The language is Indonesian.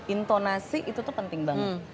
intonasi itu tuh penting banget